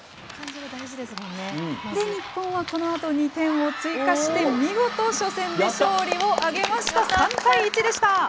日本はこのあと２点を追加して見事、初戦で勝利を挙げました。